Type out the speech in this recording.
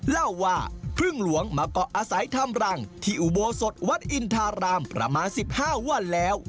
เล่าว่าพึ่งหลวงมาเกาะอาศัยทำรังที่อุโบสถวัดอินทารามประมาณ๑๕วันแล้ว